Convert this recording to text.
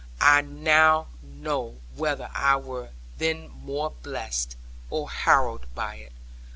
I know not whether I were then more blessed, or harrowed by it.